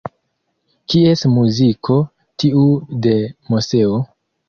Kies muziko, tiu de Moseo?